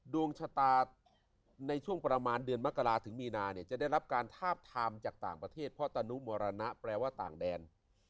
ดวงชะตาในช่วงประมาณเดือนมกราถึงมีนาเนี่ยจะได้รับการทาบทามจากต่างประเทศเพราะตนุมรณะแปลว่าต่างแดน